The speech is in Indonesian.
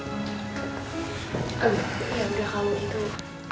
ya udah kalau gitu